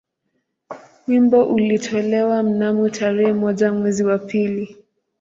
Wimbo ulitolewa mnamo tarehe moja mwezi wa pili